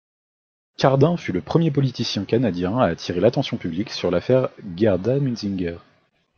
Cardin fut le premier politicien canadien à attirer l'attention publique sur l'affaire Gerda Munsinger.